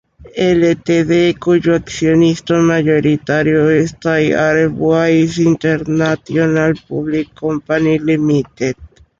Ltd, cuyo accionista mayoritario es Thai Airways International Public Company Limited.